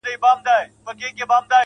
• ملنگ خو دي وڅنگ ته پرېږده.